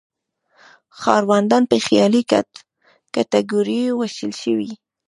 ښاروندان په خیالي کټګوریو ویشل شوي.